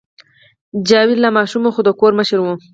جاوید لا ماشوم و خو د کور مشر و